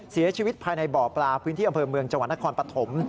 เสียชีวิตภายในบ่อปลาพื้นที่อำเภอเมืองจังหวัดนครปฐม